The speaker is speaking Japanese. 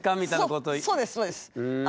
そうですそうです。